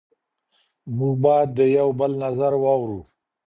موږ باید د یو بل نظر واورو.